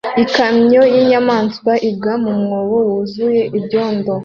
Ikamyo y'inyamanswa igwa mu mwobo wuzuye ibyondo